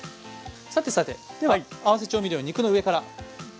さてさてでは合わせ調味料肉の上から。